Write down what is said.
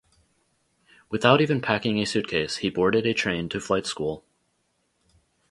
Without even packing a suitcase, he boarded a train to flight school.